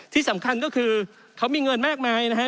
ที่สำคัญก็คือเขามีเงินมากมายนะฮะ